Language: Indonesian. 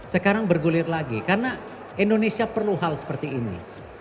sekarang bergulir lagi karena indonesia perlu hal seperti ini